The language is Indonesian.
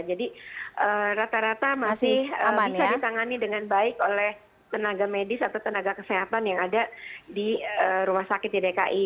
jadi rata rata masih bisa ditangani dengan baik oleh tenaga medis atau tenaga kesehatan yang ada di rumah sakit ydki